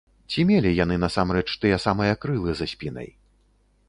Ці мелі яны насамрэч тыя самыя крылы за спінай?